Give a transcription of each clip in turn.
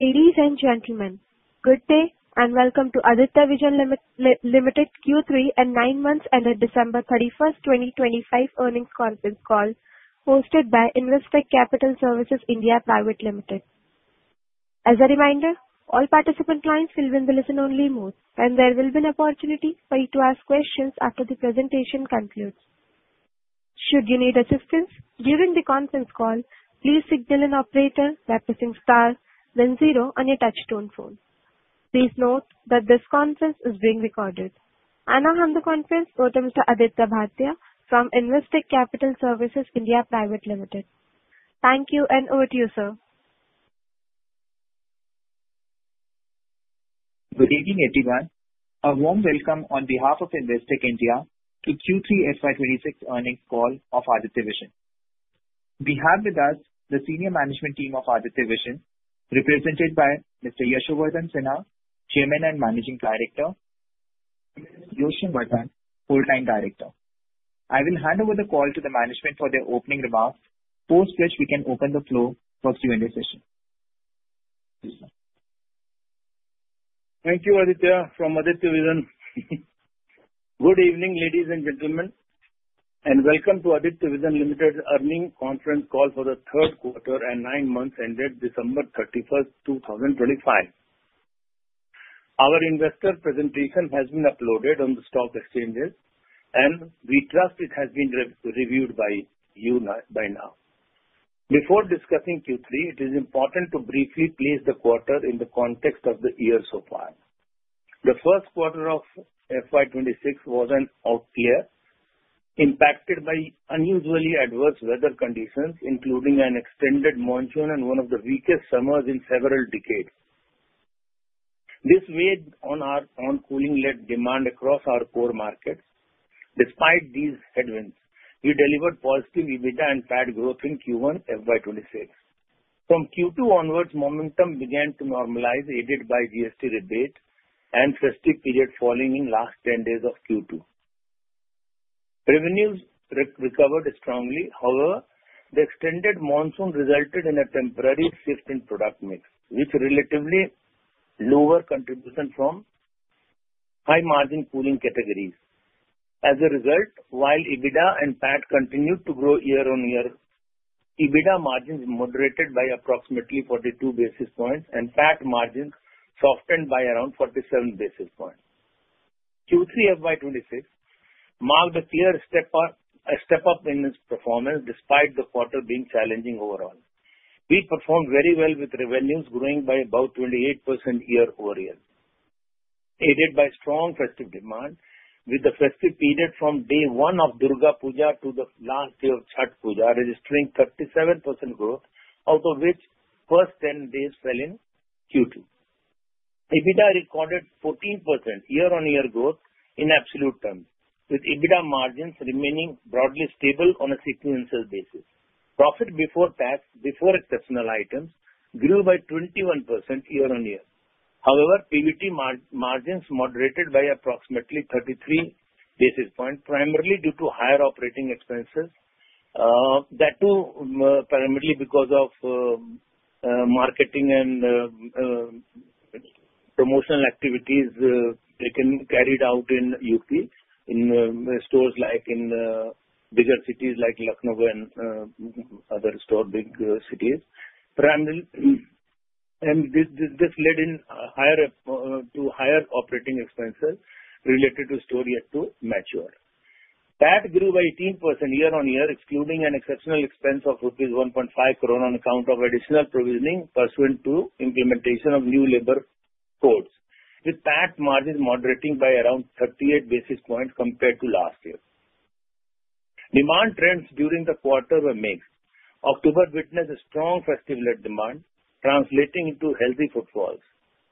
Ladies and gentlemen, good day and welcome to Aditya Vision Limited's Q3 and nine months ended December 31st, 2025 earnings conference call hosted by Investec Capital Services India Private Limited. As a reminder, all participant clients will be in listen only mode and there will be an opportunity for you to ask questions after the presentation concludes. Should you need assistance during the conference call, please signal an operator by pressing star then zero on your touchtone phone. Please note that this conference is being recorded. And now on the conference floor to Mr. Aditya Bhatia from Investec Capital Services India Private Limited. Thank you and over to you, sir. Good evening, everyone. A warm welcome on behalf of Investec India to Q3 FY 2026 earnings call of Aditya Vision. We have with us the senior management team of Aditya Vision represented by Mr. Yashovardhan Sinha, Chairman and Managing Director, Yosham Vardhan, Whole Time Director. I will hand over the call to the management for their opening remarks. Post which we can open the floor for Q&A session. Please go on. Thank you, Aditya from Aditya Vision. Good evening, ladies and gentlemen, and welcome to Aditya Vision Limited's earnings conference call for the third quarter and nine months ended December 31st, 2025. Our investor presentation has been uploaded on the stock exchanges and we trust it has been reviewed by you by now. Before discussing Q3, it is important to briefly place the quarter in the context of the year so far. The first quarter of FY 2026 wasn't out clear, impacted by unusually adverse weather conditions, including an extended monsoon and one of the weakest summers in several decades. This weighed on cooling-led demand across our core markets. Despite these headwinds, we delivered positive EBITDA and PAT growth in Q1 FY 2026. From Q2 onwards, momentum began to normalize, aided by GST rebates and festive period falling in last 10 days of Q2. Revenues recovered strongly. The extended monsoon resulted in a temporary shift in product mix with relatively lower contribution from high-margin cooling categories. As a result, while EBITDA and PAT continued to grow year-on-year, EBITDA margins moderated by approximately 42 basis points and PAT margins softened by around 47 basis points. Q3 FY 2026 marked a clear step up in its performance despite the quarter being challenging overall. We performed very well with revenues growing by about 28% year-over-year, aided by strong festive demand with the festive period from day one of Durga Puja to the last day of Chhath Puja registering 37% growth out of which first 10 days fell in Q2. EBITDA recorded 14% year-on-year growth in absolute terms, with EBITDA margins remaining broadly stable on a sequential basis. Profit before tax, before exceptional items grew by 21% year-on-year. However, PBT margins moderated by approximately 33 basis points, primarily due to higher operating expenses. That too primarily because of marketing and promotional activities taken carried out in UP in stores like in bigger cities like Lucknow and other big cities. This led to higher operating expenses related to store yet to mature. PAT grew by 18% year-on-year, excluding an exceptional expense of INR 1.5 crore on account of additional provisioning pursuant to implementation of new Labour Codes, with PAT margins moderating by around 38 basis points compared to last year. Demand trends during the quarter were mixed. October witnessed a strong festive-led demand translating into healthy footfalls.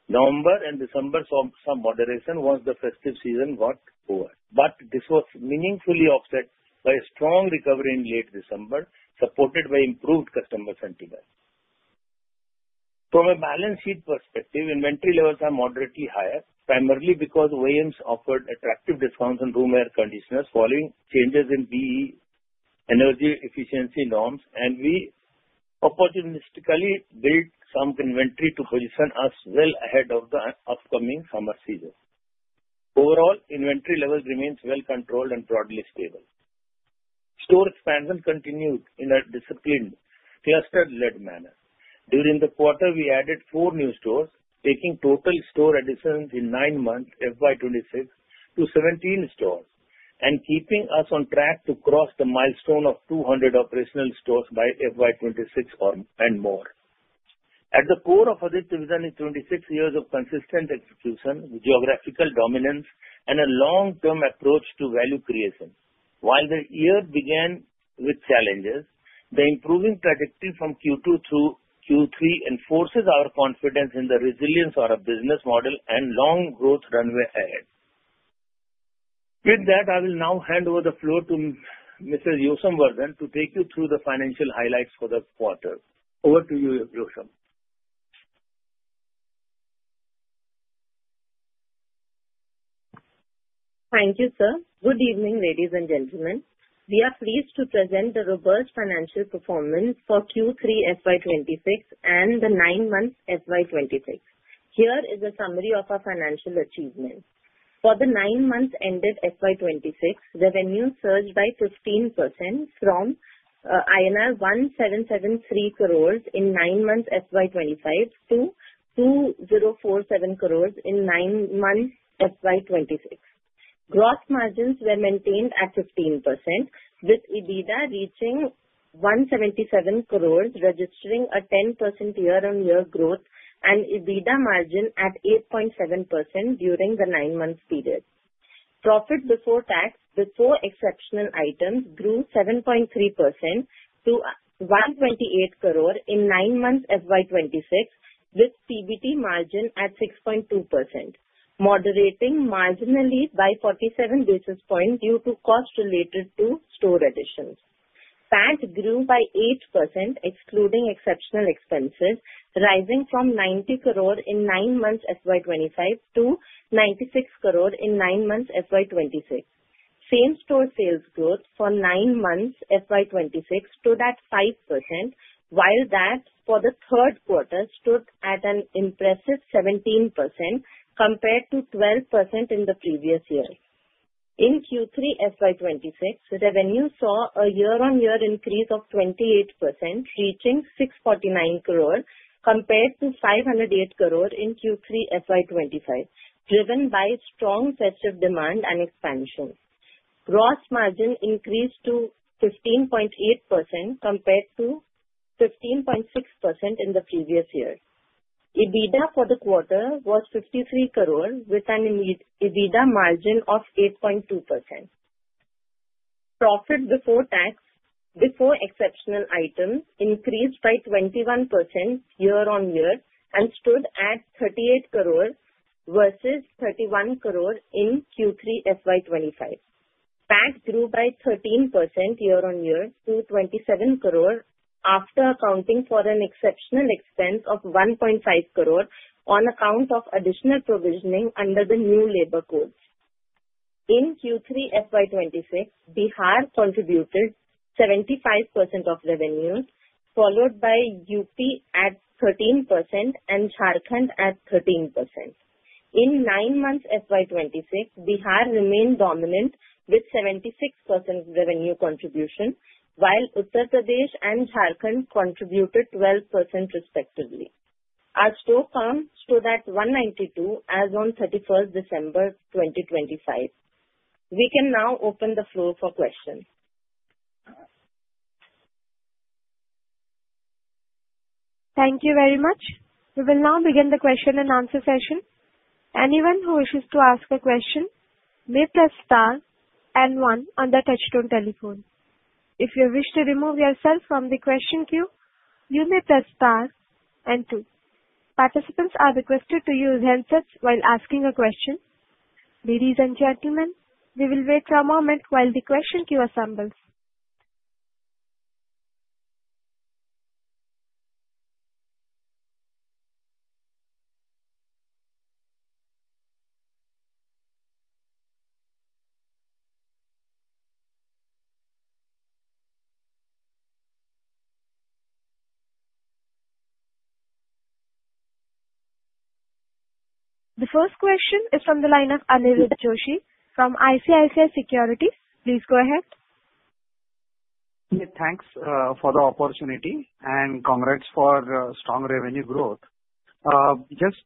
November and December saw some moderation once the festive season got over, but this was meaningfully offset by a strong recovery in late December, supported by improved customer sentiment. From a balance sheet perspective, inventory levels remains moderately higher, primarily because OEMs offered attractive discounts on room air conditioners following changes in BEE energy efficiency norms and we opportunistically built some inventory to position us well ahead of the upcoming summer season. Overall, inventory levels remain well controlled and broadly stable. Store expansion continued in a disciplined cluster-led manner. During the quarter, we added four new stores, taking total store additions in nine months FY 2026 to 17 stores and keeping us on track to cross the milestone of 200 operational stores by FY 2026 on and more. At the core of Aditya Vision is 26 years of consistent execution, geographical dominance and a long-term approach to value creation. While the year began with challenges, the improving trajectory from Q2 through Q3 enforces our confidence in the resilience of our business model and long growth runway ahead. With that, I will now hand over the floor to Mrs. Yosham Vardhan to take you through the financial highlights for the quarter. Over to you, Yosham. Thank you, sir. Good evening, ladies and gentlemen. We are pleased to present a robust financial performance for Q3 FY 2026 and the nine-month FY 2026. Here is a summary of our financial achievements. For the nine months ended FY 2026, revenue surged by 15% from INR 1,773 crore in nine months FY 2025 to 2,047 crore in nine months FY 2026. Gross margins were maintained at 15%, with EBITDA reaching 177 crore, registering a 10% year-on-year growth and EBITDA margin at 8.7% during the nine-month period. Profit before tax, before exceptional items, grew 7.3% to 128 crore in nine months FY 2026, with PBT margin at 6.2%, moderating marginally by 47 basis points due to cost related to store additions. PAT grew by 8%, excluding exceptional expenses, rising from 90 crore in nine months FY 2025 to 96 crore in nine months FY 2026. Same-store sales growth for nine months FY 2026 stood at 5%, while that for the third quarter stood at an impressive 17% compared to 12% in the previous year. In Q3 FY 2026, the revenue saw a year-on-year increase of 28%, reaching 649 crore, compared to 508 crore in Q3 FY 2025, driven by strong festive demand and expansion. Gross margin increased to 15.8% compared to 15.6% in the previous year. EBITDA for the quarter was 53 crore with an EBITDA margin of 8.2%. Profit before tax, before exceptional items, increased by 21% year-on-year and stood at 38 crore versus 31 crore in Q3 FY 2025. PAT grew by 13% year-on-year to 27 crore after accounting for an exceptional expense of 1.5 crore on account of additional provisioning under the new Labour Codes. In Q3 FY 2026, Bihar contributed 75% of revenues, followed by U.P. at 13% and Jharkhand at 13%. In nine months FY 2026, Bihar remained dominant with 76% revenue contribution, while Uttar Pradesh and Jharkhand contributed 12% respectively. Our store count stood at 192 as on 31st December 2025. We can now open the floor for questions. Thank you very much. We will now begin the question and answer session. Anyone who wishes to ask a question may press star and one on their touchtone telephone. If you wish to remove yourself from the question queue, you may press star and two. Participants are requested to use handsets while asking a question. Ladies and gentlemen, we will wait for a moment while the question queue assembles. The first question is from the line of Aniruddha Joshi from ICICI Securities Limited. Please go ahead. Thanks for the opportunity and congrats for strong revenue growth. Just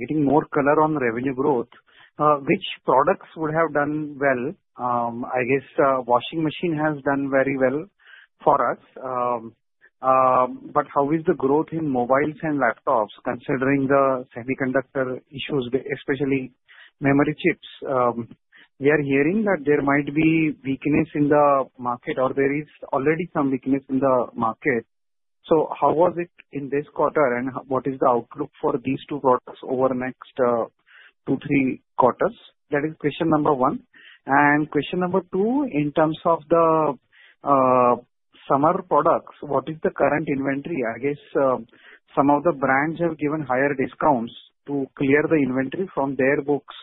getting more color on revenue growth. Which products would have done well? I guess washing machine has done very well for us, but how is the growth in mobiles and laptops, considering the semiconductor issues, especially memory chips? We are hearing that there might be weakness in the market, or there is already some weakness in the market. How was it in this quarter, and what is the outlook for these two products over the next two, three quarters? That is question number one. Question number two, in terms of the summer products, what is the current inventory? I guess some of the brands have given higher discounts to clear the inventory from their books,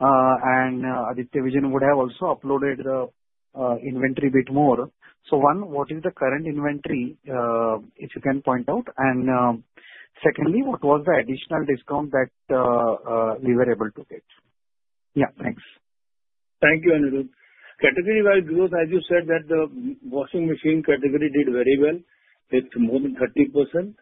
and Aditya Vision would have also uploaded the inventory a bit more. One, what is the current inventory, if you can point out? Secondly, what was the additional discount that we were able to get? Yeah, thanks. Thank you, Aniruddha. Category wide growth, as you said that the washing machine category did very well. It is more than 30%,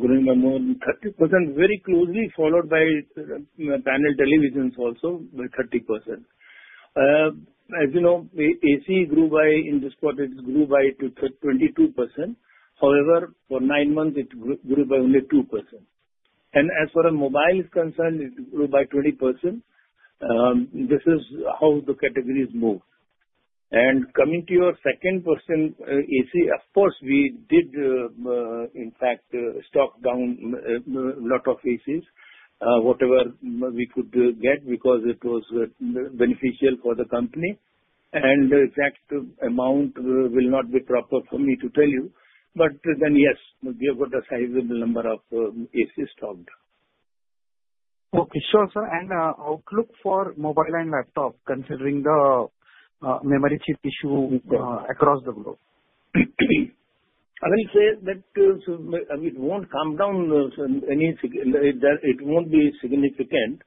growing by more than 30%, very closely followed by panel televisions also by 30%. As you know, AC grew by, in this quarter, it grew by 22%. However, for 9 months, it grew by only 2%. As far as mobile is concerned, it grew by 20%. This is how the categories move. Coming to your second question, AC, of course, we did in fact stock down a lot of ACs, whatever we could get, because it was beneficial for the company. The exact amount will not be proper for me to tell you. Yes, we have got a sizable number of ACs sold. Okay, sure, sir. Outlook for mobile and laptop, considering the memory chip issue across the globe. I will say that it won't come down. It won't be significant.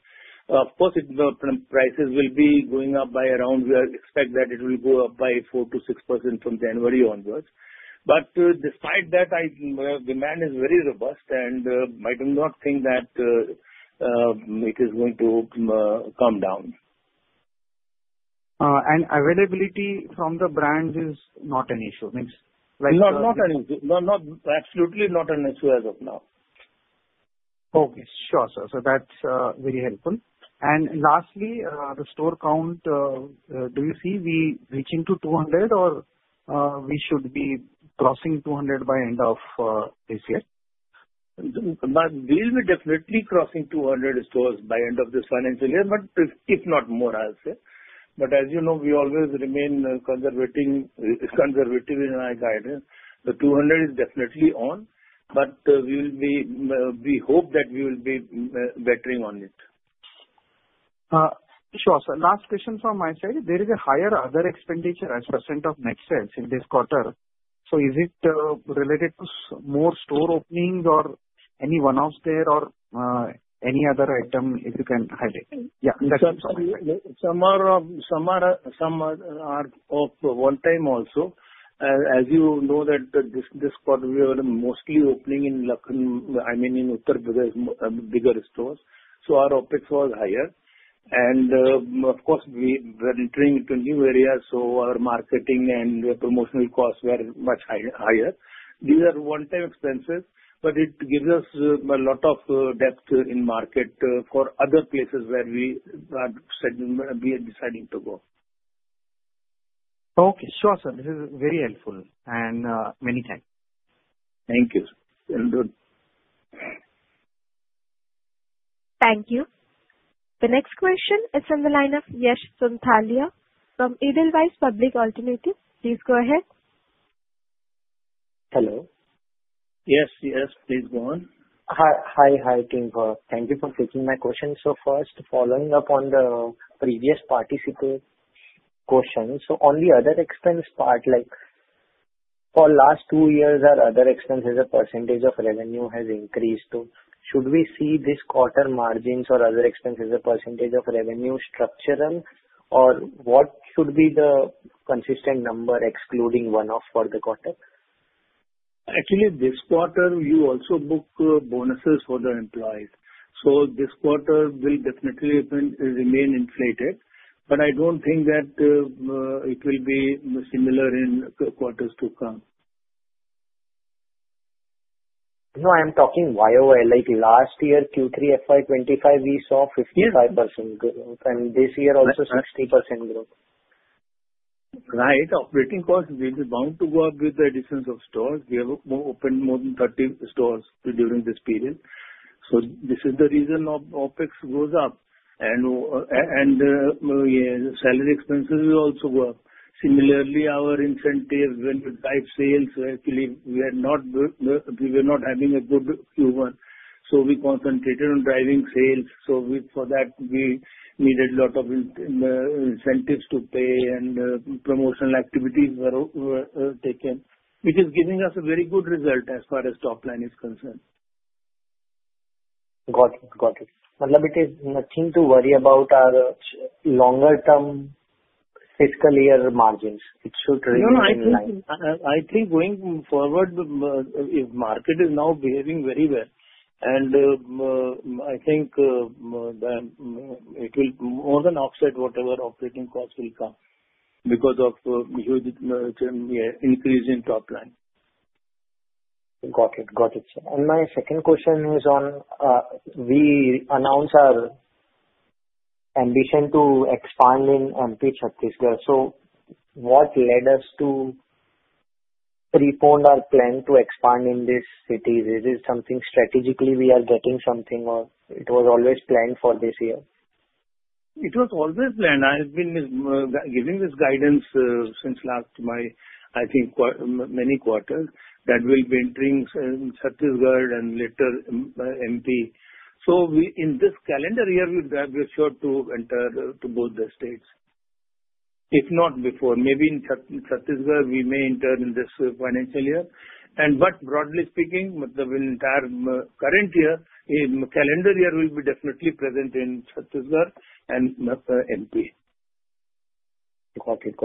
Of course, prices will be going up by around, we expect that it will go up by 4%-6% from January onwards. Despite that, demand is very robust, and I do not think that it is going to come down. Availability from the brands is not an issue. Absolutely not an issue as of now. Sure, sir. That's very helpful. Lastly, the store count, do you see we reaching to 200 or we should be crossing 200 by end of this year? We'll be definitely crossing 200 stores by end of this financial year, but if not more, I'll say. As you know, we always remain conservative in our guidance. 200 is definitely on, but we hope that we will be bettering on it. Sure, sir. Last question from my side, there is a higher other expenditure as % of net sales in this quarter. Is it related to more store openings or any one-offs there or any other item, if you can highlight? Yeah. Some are of one time also. As you know that this quarter, we are mostly opening in Lucknow, I mean, in Uttar Pradesh, bigger stores. Our OpEx was higher. Of course, we were entering into new areas, our marketing and promotional costs were much higher. These are one-time expenses, but it gives us a lot of depth in market for other places where we are deciding to go. Okay, sure, sir. This is very helpful, many thanks. Thank you. Well done. Thank you. The next question is on the line of Yash Sonthalia from Edelweiss Public Alternatives. Please go ahead. Hello. Yes, Yash, please go on. Hi, King. Thank you for taking my question. First, following up on the previous participant question. On the other expense part, for last two years, our other expenses as a percentage of revenue has increased. Should we see this quarter margins or other expenses as a percentage of revenue structural, or what should be the consistent number excluding one-off for the quarter? Actually, this quarter, we also book bonuses for the employees. This quarter will definitely remain inflated, I don't think that it will be similar in quarters to come. No, I'm talking Y-o-Y, like last year, Q3 FY 2025, we saw 55% growth, and this year also 60% growth. Right. Operating costs, which is bound to go up with the additions of stores. We have opened more than 30 stores during this period. This is the reason OpEx goes up. Salary expenses will also go up. Similarly, our incentives when we drive sales, actually, we were not having a good Q1, so we concentrated on driving sales. For that, we needed a lot of incentives to pay and promotional activities were taken, which is giving us a very good result as far as top line is concerned. Got it. It is nothing to worry about our longer term fiscal year margins. It should really- No, I think going forward, if market is now behaving very well, and I think that it will more than offset whatever operating costs will come because of huge increase in top line. Got it. My second question is on, we announced our ambition to expand in MP, Chhattisgarh. What led us to prepone our plan to expand in these cities? Is it something strategically we are getting something or it was always planned for this year? It was always planned. I've been giving this guidance since last, I think, many quarters, that we'll be entering Chhattisgarh and later MP. In this calendar year, we are sure to enter to both the states. If not before, maybe in Chhattisgarh, we may enter in this financial year. Broadly speaking, the entire current year, calendar year, we'll be definitely present in Chhattisgarh and MP. Got it.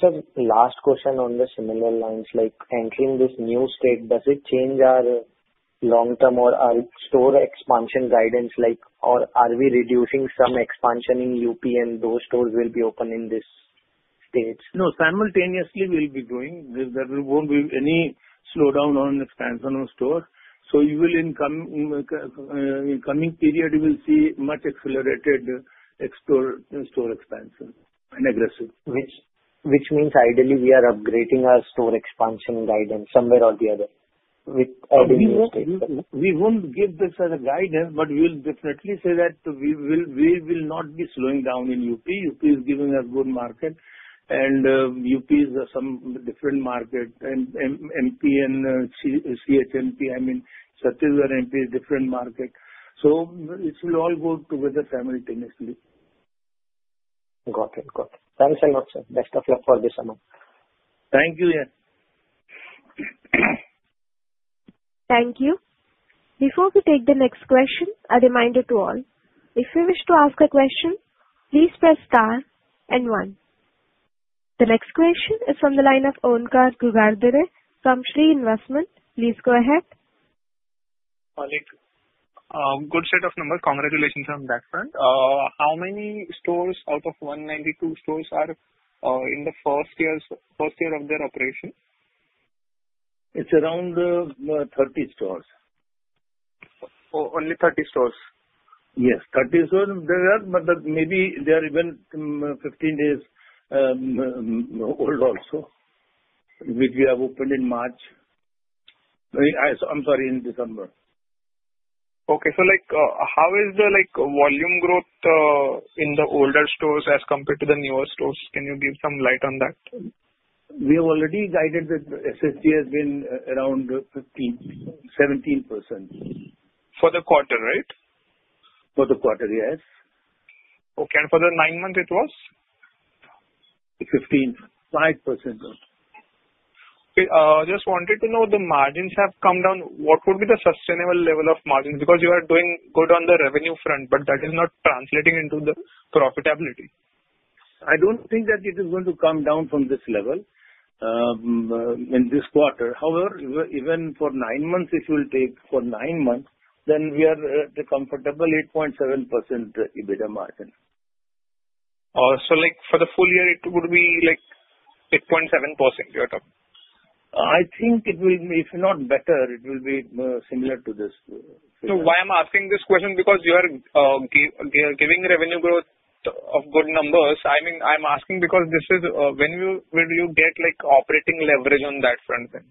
Sir, last question on the similar lines, like entering this new state, does it change our long-term or our store expansion guidance, or are we reducing some expansion in UP and those stores will be open in these states? No, simultaneously we'll be doing. There won't be any slowdown on expansion of stores. In coming period, you will see much accelerated store expansion and aggressive. Which means ideally we are upgrading our store expansion guidance somewhere or the other. We won't give this as a guidance, we'll definitely say that we will not be slowing down in UP. UP is giving a good market and UP is some different market and MP and Chhattisgarh, I mean, Chhattisgarh MP is different market. It will all go together simultaneously. Got it. Thanks a lot, sir. Best of luck for this amount. Thank you. Thank you. Before we take the next question, a reminder to all. If you wish to ask a question, please press star and one. The next question is from the line of Omkar Gulvade from Shree Investment. Please go ahead. Good set of numbers. Congratulations on that front. How many stores out of 192 stores are in the first year of their operation? It's around 30 stores. Only 30 stores? Yes, 30 stores there are, but maybe they are even 15 days old also, which we have opened in March. I'm sorry, in December. Okay. How is the volume growth in the older stores as compared to the newer stores? Can you give some light on that? We have already guided that SSG has been around 17%. For the quarter, right? For the quarter, yes. Okay. For the nine months it was? 15.5%. Okay. Just wanted to know, the margins have come down. What would be the sustainable level of margins? You are doing good on the revenue front, but that is not translating into the profitability. I don't think that it is going to come down from this level in this quarter. However, even for nine months, it will take for nine months, then we are at a comfortable 8.7% EBITDA margin. For the full year, it would be 8.7%, you're talking? I think if not better, it will be similar to this. Why I'm asking this question, because you are giving revenue growth of good numbers. I'm asking because when will you get operating leverage on that front then?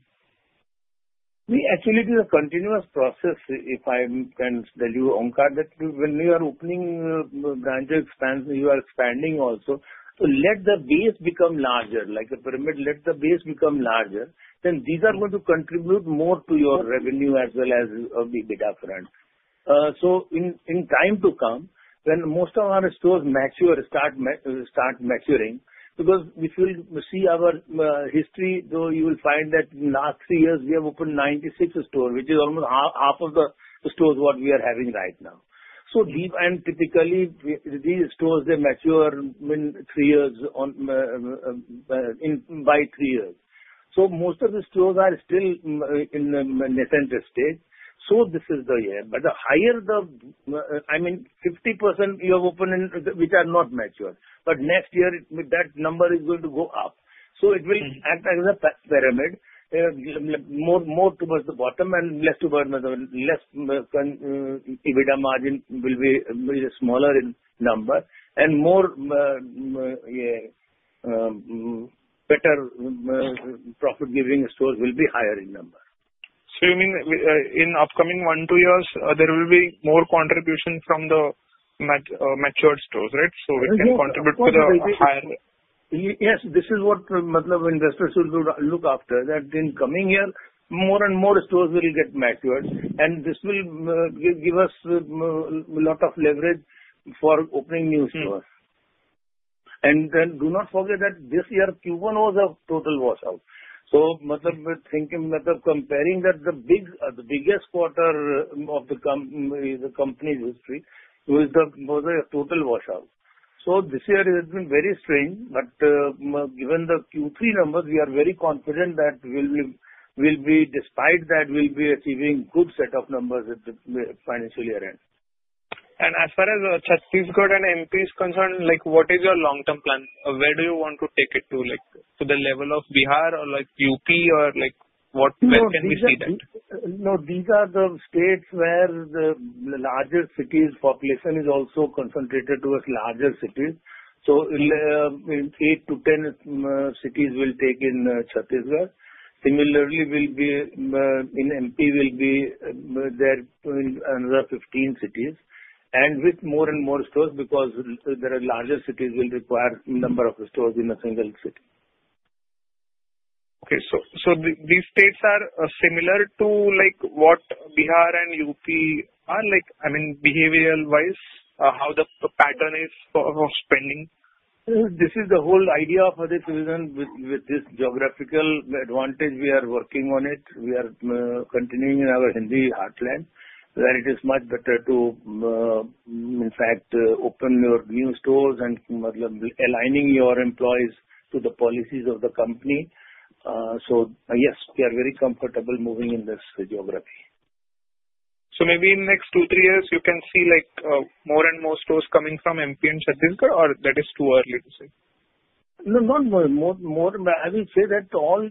Actually, it is a continuous process. If I can tell you, Omkar, that when we are opening branches, you are expanding also. Let the base become larger, like a pyramid, let the base become larger, then these are going to contribute more to your revenue as well as the EBITDA front. In time to come, when most of our stores mature, start maturing, because if you see our history though, you will find that last three years, we have opened 96 stores, which is almost half of the stores what we are having right now. Typically these stores, they mature by three years. Most of the stores are still in nascent stage. This is the year. 50% we have opened which are not mature, but next year that number is going to go up. It will act as a pyramid, more towards the bottom and less EBITDA margin will be smaller in number and better profit-giving stores will be higher in number. You mean in upcoming one, two years, there will be more contribution from the matured stores, right? It can contribute to the higher. Yes. This is what investors will look after, that in coming year, more and more stores will get matured, and this will give us a lot of leverage for opening new stores. Do not forget that this year, Q1 was a total washout. Comparing that, the biggest quarter of the company's history was a total washout. This year it has been very strange. Given the Q3 numbers, we are very confident that despite that, we'll be achieving good set of numbers at the financial year end. As far as Chhattisgarh and MP is concerned, what is your long-term plan? Where do you want to take it to, like, to the level of Bihar or like UP or when can we see that? No, these are the states where the largest cities population is also concentrated towards larger cities. Eight to 10 cities we'll take in Chhattisgarh. Similarly, in MP, we'll be there in another 15 cities, and with more and more stores because there are larger cities will require number of stores in a single city. Okay, these states are similar to what Bihar and UP are like, I mean, behavioral-wise, how the pattern is of spending? This is the whole idea of Aditya Vision with this geographical advantage. We are working on it. We are continuing in our Hindi heartland, where it is much better to, in fact, open your new stores and aligning your employees to the policies of the company. Yes, we are very comfortable moving in this geography. Maybe in next two, three years, you can see more and more stores coming from MP and Chhattisgarh, or that is too early to say? I will say that all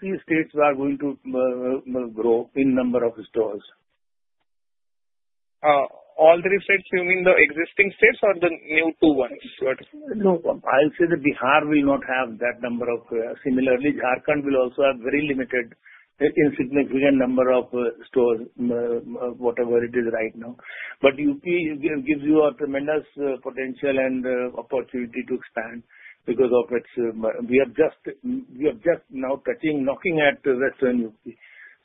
three states are going to grow in number of stores. All three states, you mean the existing states or the new two ones? I'll say that Bihar will not have that number. Similarly, Jharkhand will also have very limited, insignificant number of stores, whatever it is right now. UP gives you a tremendous potential and opportunity to expand because we are just now touching, knocking at the western UP,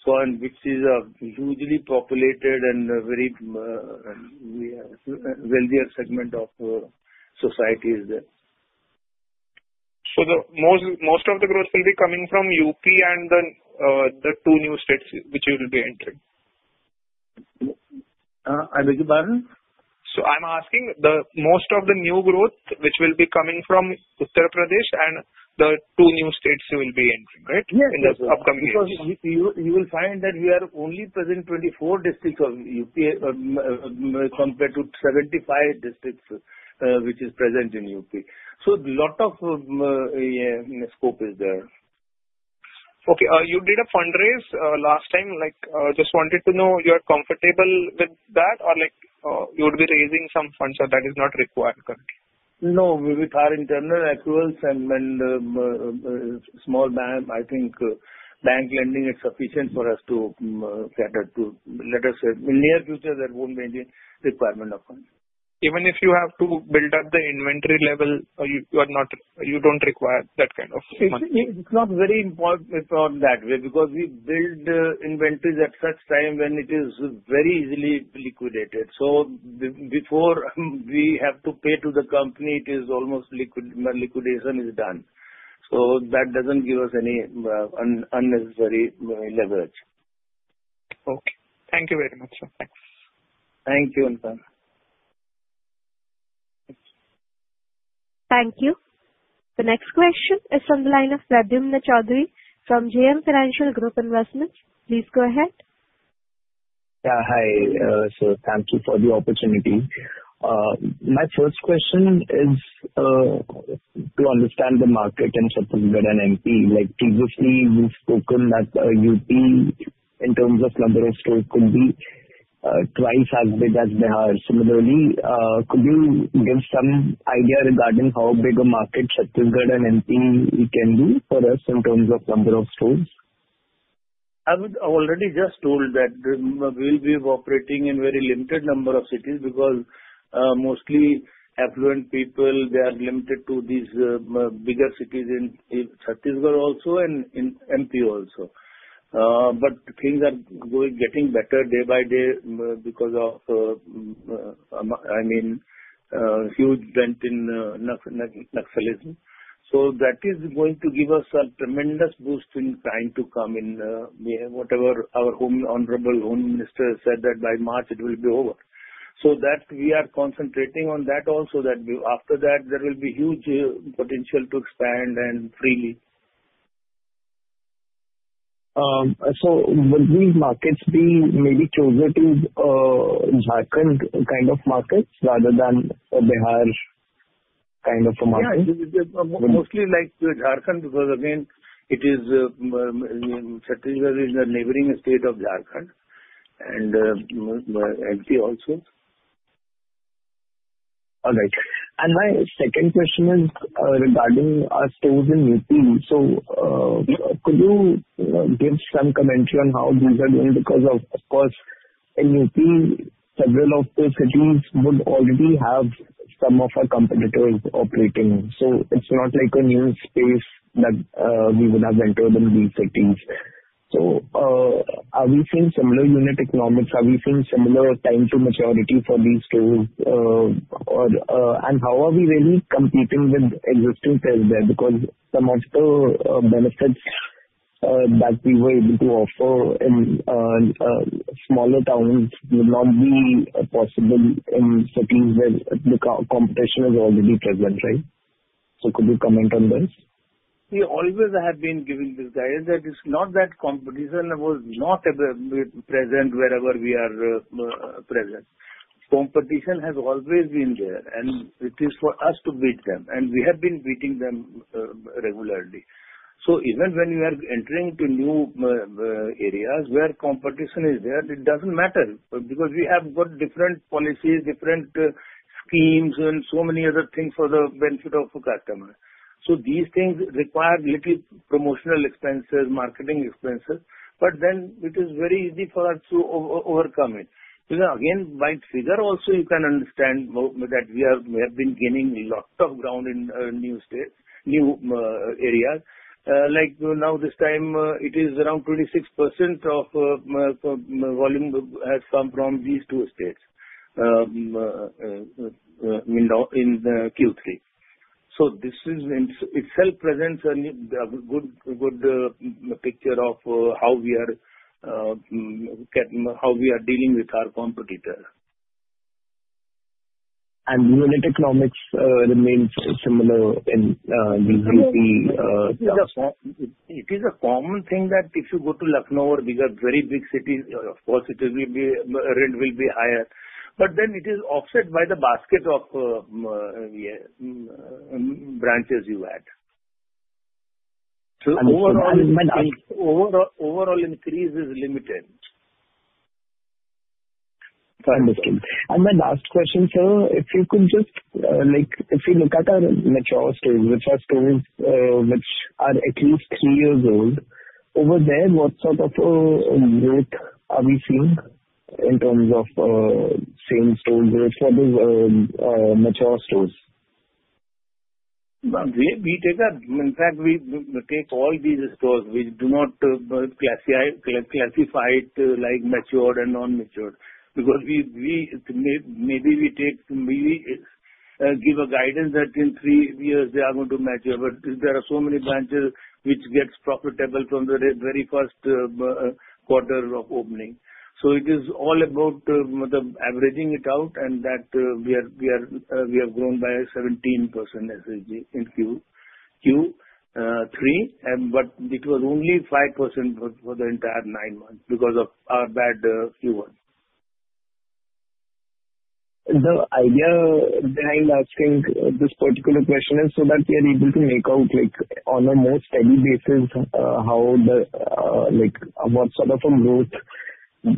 which is a hugely populated and wealthier segment of society is there. Most of the growth will be coming from UP and the two new states which you will be entering. I beg your pardon? I'm asking, most of the new growth, which will be coming from Uttar Pradesh and the two new states you will be entering, right? In the upcoming years. Yes. Because you will find that we are only present in 24 districts of UP compared to 75 districts which is present in UP. Lot of scope is there. Okay. You did a fundraise last time. Just wanted to know you're comfortable with that, or you would be raising some funds or that is not required currently? No, with our internal accruals and small bank, I think bank lending is sufficient for us to cater to Let us say in near future, there won't be any requirement of funds. Even if you have to build up the inventory level, you don't require that kind of money. It's not very important it's not that way, because we build inventories at such time when it is very easily liquidated. Before we have to pay to the company, it is almost liquidation is done. That doesn't give us any unnecessary leverage. Okay. Thank you very much, sir. Thanks. Thank you. Thank you. The next question is from the line of Pradyumna Choudhury from JM Financial Group Investments. Please go ahead. Yeah. Hi, sir. Thank you for the opportunity. My first question is to understand the market in Chhattisgarh and MP. Previously, you've spoken that UP, in terms of number of stores, could be twice as big as Bihar. Similarly, could you give some idea regarding how big a market Chhattisgarh and MP can be for us in terms of number of stores? I already just told that we'll be operating in very limited number of cities because mostly affluent people, they are limited to these bigger cities in Chhattisgarh also and in MP also. Things are getting better day by day because of huge dent in Naxalism. That is going to give us a tremendous boost in trying to come in whatever our honorable Home Minister said that by March it will be over. We are concentrating on that also, that after that, there will be huge potential to expand freely. Will these markets be maybe closer to Jharkhand kind of markets rather than a Bihar kind of a market? Yeah. Mostly like Jharkhand because again, Chhattisgarh is a neighboring state of Jharkhand, and MP also. All right. My second question is regarding our stores in UP. Could you give some commentary on how these are doing? Because, of course, in UP, several of those cities would already have some of our competitors operating. It's not like a new space that we would have entered in these cities. Are we seeing similar unit economics? Are we seeing similar time to maturity for these stores? How are we really competing with existing players there? Because some of the benefits that we were able to offer in smaller towns would not be possible in cities where the competition is already present, right? Could you comment on this? We always have been giving this guidance that it's not that competition was not present wherever we are present. Competition has always been there, and it is for us to beat them, and we have been beating them regularly. Even when you are entering to new areas where competition is there, it doesn't matter because we have got different policies, different schemes and so many other things for the benefit of the customer. These things require little promotional expenses, marketing expenses, but then it is very easy for us to overcome it. Again, by figure also, you can understand that we have been gaining lots of ground in new areas. Like now this time, it is around 26% of volume has come from these two states in Q3. This itself presents a good picture of how we are dealing with our competitor. Unit economics remains similar in these UP towns? It is a common thing that if you go to Lucknow or these are very big cities, of course, rent will be higher. It is offset by the basket of branches you add. Overall increase is limited. I understand. My last question, sir. If you look at our mature stores, which are stores which are at least three years old. Over there, what sort of a growth are we seeing in terms of Same-Store Sales Growth for these mature stores? In fact, we take all these stores. We do not classify it like matured and non-matured because maybe we give a guidance that in three years they are going to mature. There are so many branches which gets profitable from the very first quarter of opening. It is all about averaging it out and that we have grown by 17% SSG in Q3, but it was only 5% for the entire nine months because of our bad Q1. The idea behind asking this particular question is so that we are able to make out, on a more steady basis, what sort of a growth does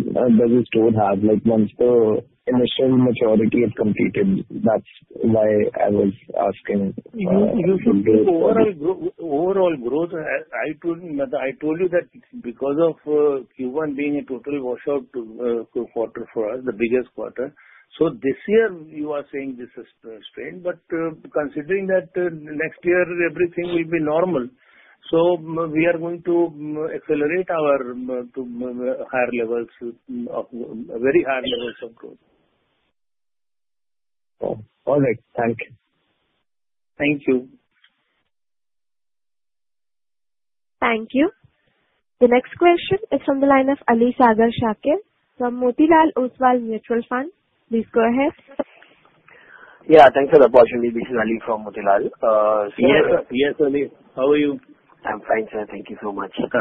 a store have once the initial maturity is completed. That's why I was asking. Overall growth, I told you that because of Q1 being a total washout quarter for us, the biggest quarter. This year you are saying this is strained, but considering that next year everything will be normal, so we are going to accelerate to very high levels of growth. All right, thank you. Thank you. Thank you. The next question is from the line of Ali Shakir from Motilal Oswal Mutual Fund. Please go ahead. Yeah, thanks for the opportunity. This is Ali from Motilal. Yes, Ali. How are you? I'm fine, sir. Thank you so much. Okay.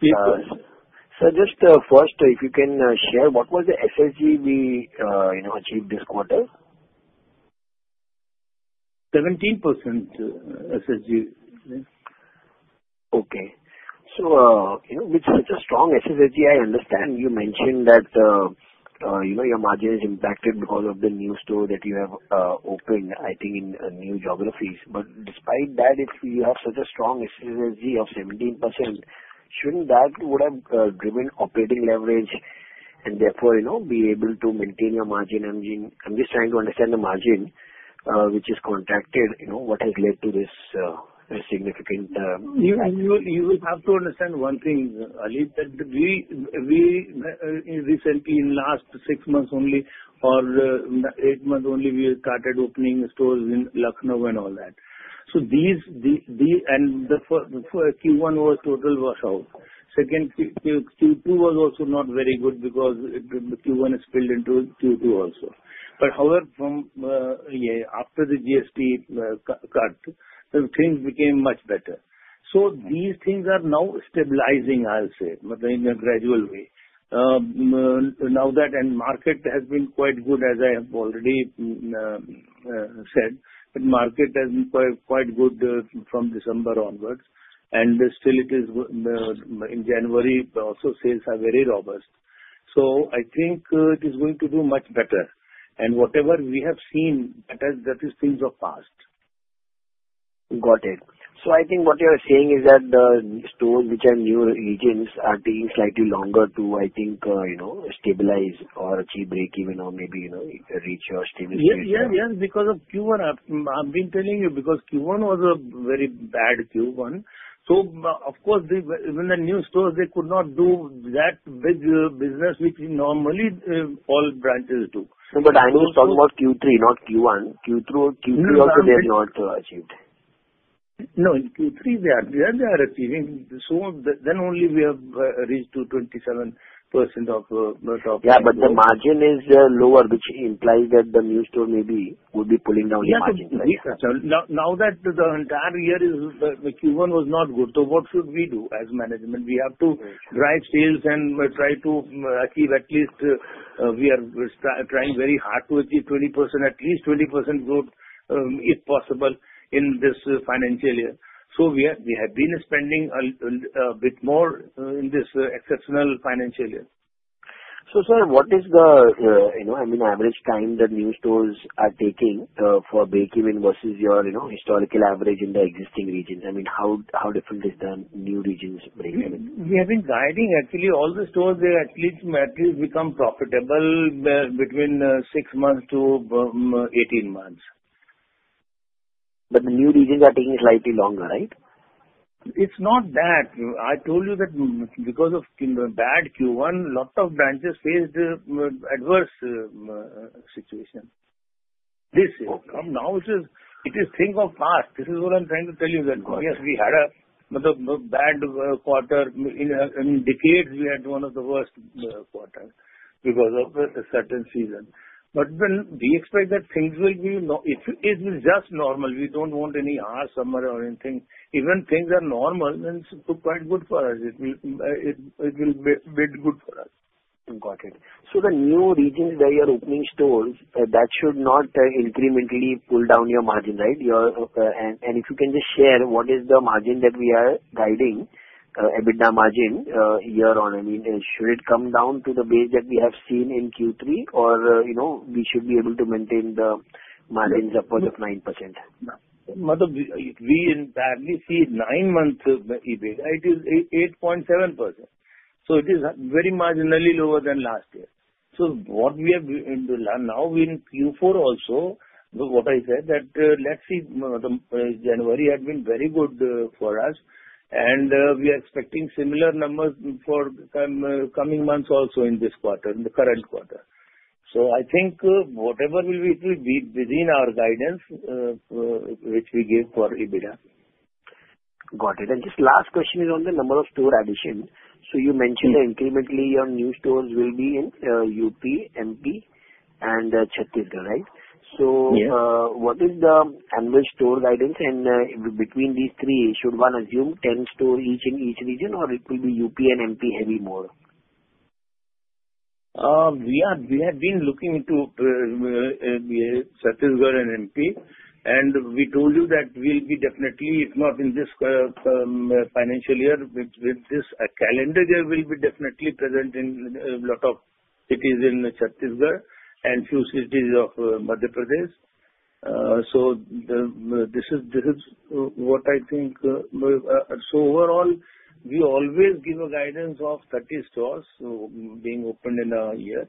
Please go on. Sir, just first, if you can share what was the SSG we achieved this quarter? 17% SSG. Okay. With such a strong SSG, I understand you mentioned that your margin is impacted because of the new store that you have opened, I think in new geographies. Despite that, if you have such a strong SSG of 17%, shouldn't that would have driven operating leverage and therefore, be able to maintain your margin? I'm just trying to understand the margin which is contracted, what has led to this significant- You have to understand one thing, Ali, that we recently, in last six months only, or eight months only, we have started opening stores in Lucknow and all that. Q1 was total washout. Second, Q2 was also not very good because Q1 spilled into Q2 also. However, after the GST cut, things became much better. These things are now stabilizing, I'll say, but in a gradual way. Market has been quite good, as I have already said, market has been quite good from December onwards. Still in January also, sales are very robust. I think it is going to do much better. Whatever we have seen, that is things of past. Got it. I think what you're saying is that the stores which are newer regions are taking slightly longer to, I think, stabilize or achieve breakeven or maybe, reach your stable state. Yes, because of Q1. I've been telling you because Q1 was a very bad Q1. Of course, even the new stores, they could not do that big business which normally all branches do. I know it's all about Q3, not Q1. Q2 also they have not achieved. In Q3 they are achieving. Only we have reached to 27%. The margin is lower, which implies that the new store maybe would be pulling down the margin. Now that the entire year, Q1 was not good, what should we do as management? We have to drive sales and try to achieve. We are trying very hard to achieve 20%, at least 20% growth, if possible, in this financial year. We have been spending a bit more in this exceptional financial year. sir, what is the average time that new stores are taking for breakeven versus your historical average in the existing regions? How different is the new regions breakeven? We have been guiding, actually, all the stores, they at least become profitable between six months to 18 months. The new regions are taking slightly longer, right? It's not that. I told you that because of bad Q1, lots of branches faced adverse situation. This year. Now it is things of past. This is what I'm trying to tell you, that yes, we had a bad quarter. In decades, we had one of the worst quarters because of a certain season. We expect that things will be just normal. We don't want any odd summer or anything. Even things are normal, then it's quite good for us. It will be good for us. Got it. The new regions where you're opening stores, that should not incrementally pull down your margin, right? If you can just share what is the margin that we are guiding, EBITDA margin year on. Should it come down to the base that we have seen in Q3 or we should be able to maintain the margin support of 9%? Madhav, we in fact see 9 months of the EBITDA, it is 8.7%. It is very marginally lower than last year. Now in Q4 also, what I said, that let's see, January had been very good for us, and we are expecting similar numbers for coming months also in the current quarter. I think whatever will be, it will be within our guidance which we gave for EBITDA. Got it. Just last question is on the number of store additions. You mentioned incrementally your new stores will be in UP, MP and Chhattisgarh, right? Yes. What is the annual store guidance? Between these three, should one assume 10 stores each in each region, or it will be UP and MP heavy more? We have been looking into Chhattisgarh and MP. We told you that we'll be definitely, if not in this financial year, with this calendar year will be definitely present in a lot of cities in Chhattisgarh and few cities of Madhya Pradesh. Overall, we always give a guidance of 30 stores being opened in a year,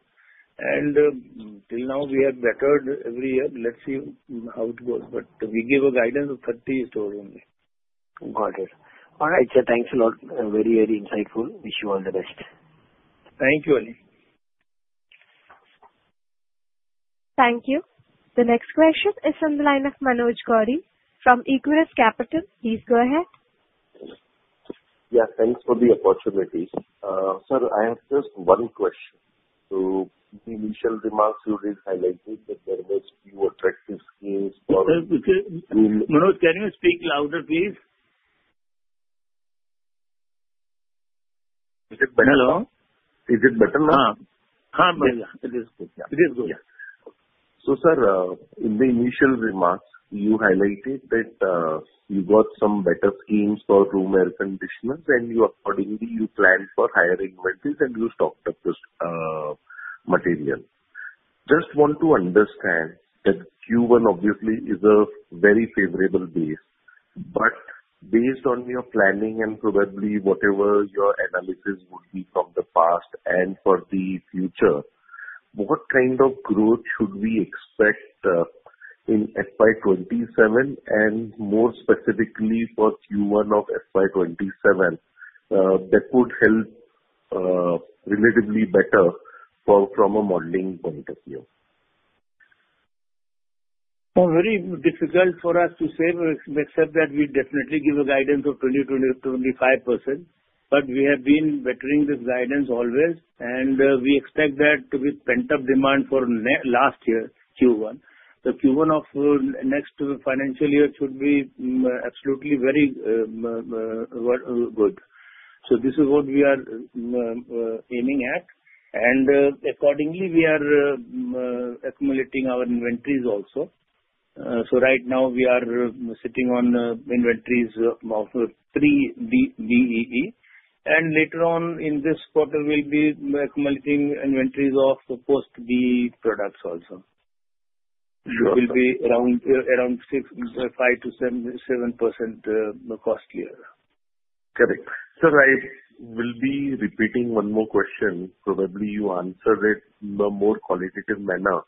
and till now we have bettered every year. Let's see how it goes, but we give a guidance of 30 stores only. Got it. All right, sir. Thanks a lot. Very insightful. Wish you all the best. Thank you, Ali. Thank you. The next question is on the line of Manoj Gori from Aquarius Capital. Please go ahead. Yeah, thanks for the opportunity. Sir, I have just one question. The initial remarks you did highlight that there was new attractive schemes for- Manoj, can you speak louder, please? Is it better now? Hello. Is it better now? Yes. It is good. Sir, in the initial remarks, you highlighted that you got some better schemes for room air conditioners. Accordingly, you planned for hiring methods and you stocked up this material. Just want to understand that Q1 obviously is a very favorable base. Based on your planning and probably whatever your analysis would be from the past and for the future, what kind of growth should we expect in FY 2027 and more specifically for Q1 of FY 2027 that would help relatively better from a modeling point of view? Very difficult for us to say, except that we definitely give a guidance of 20%-25%. We have been bettering this guidance always. We expect that with pent-up demand for last year, Q1. The Q1 of next financial year should be absolutely very good. This is what we are aiming at. Accordingly, we are accumulating our inventories also. Right now we are sitting on inventories of 3-star BEE. Later on in this quarter we will be accumulating inventories of post-BEE products also. Sure. Which will be around 5%-7% costlier. Correct. Sir, I will be repeating one more question. Probably you answer it in a more qualitative manner.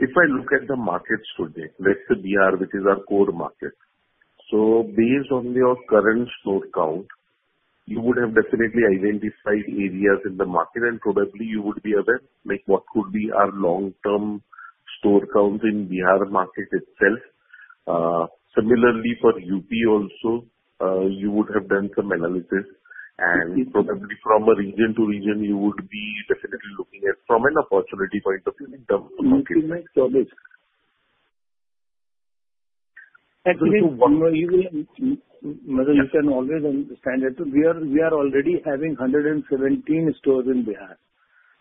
If I look at the markets today, let's say Bihar, which is our core market. Based on your current store count, you would have definitely identified areas in the market and probably you would be aware, like what could be our long-term store count in Bihar market itself. Similarly for UP also, you would have done some analysis and probably from a region to region, you would be definitely looking at from an opportunity point of view in the market. Actually, Manoj, you can always understand that we are already having 117 stores in Bihar.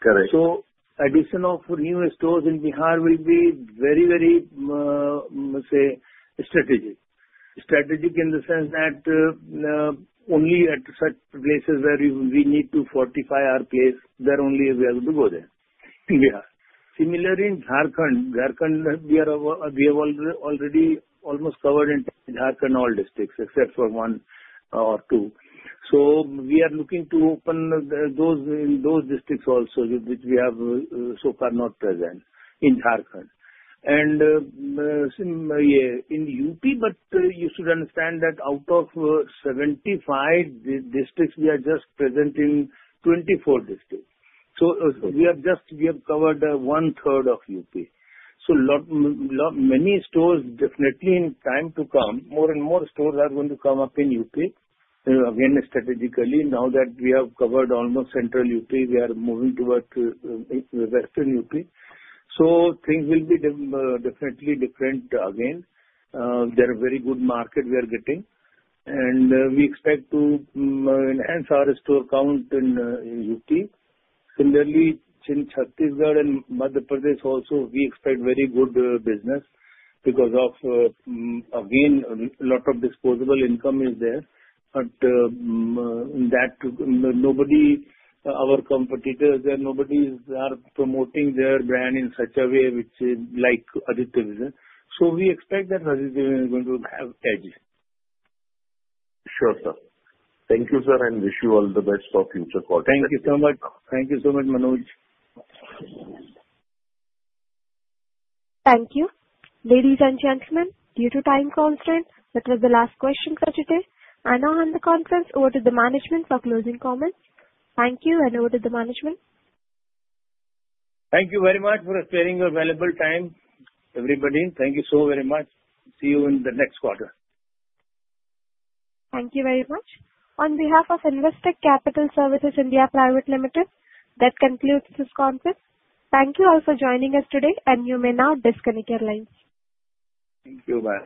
Correct. Addition of new stores in Bihar will be very strategic. Strategic in the sense that only at such places where we need to fortify our place, there only we have to go there in Bihar. Similarly in Jharkhand, we have already almost covered in Jharkhand all districts except for one or two. We are looking to open those districts also, which we have so far not present in Jharkhand. In UP, you should understand that out of 75 districts, we are just present in 24 districts. We have covered one third of UP. Many stores definitely in time to come, more and more stores are going to come up in UP. Again, strategically, now that we have covered almost central UP, we are moving towards western UP. Things will be definitely different again. They're a very good market we are getting, and we expect to enhance our store count in UP. Similarly, in Chhattisgarh and Madhya Pradesh also, we expect very good business because of, again, a lot of disposable income is there, but our competitors there, nobody is promoting their brand in such a way which is like Aditya Vision. We expect that Aditya Vision is going to have edge. Sure, sir. Thank you, sir, and wish you all the best for future quarter. Thank you so much. Thank you so much, Manoj. Thank you. Ladies and gentlemen, due to time constraints, that was the last question for today. I now hand the conference over to the management for closing comments. Thank you, and over to the management. Thank you very much for sparing your valuable time, everybody. Thank you so very much. See you in the next quarter. Thank you very much. On behalf of Investec Capital Services India Private Limited, that concludes this conference. Thank you all for joining us today, and you may now disconnect your lines. Thank you. Bye.